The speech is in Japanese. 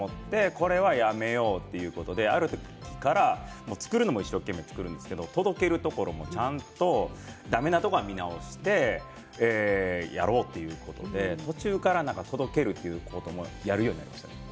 これはやめようと、ある時から作るのも一生懸命作りますが届けるところもちゃんとだめなところは見直してやろうということで途中から届けるということもやるようになりました。